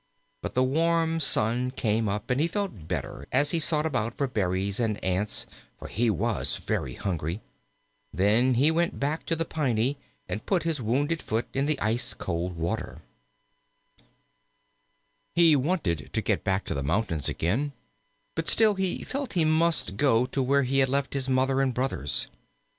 But the warm sun came up, and he felt better as he sought about for berries and ants, for he was very hungry. Then he went back to the Piney and put his wounded foot in the ice cold water. [Illustration: "HE STAYED IN THE TREE TILL NEAR MORNING."] He wanted to get back to the mountains again, but still he felt he must go to where he had left his Mother and brothers.